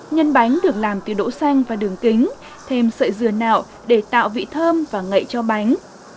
nhân bánh được làm từ đỗ xanh và đường kính thêm sợi dừa nạo để tạo vị thơm và ngậy cho bánh